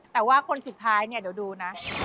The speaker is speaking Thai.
แต่ว่าคนสุดท้ายเนี่ยเดี๋ยวดูนะ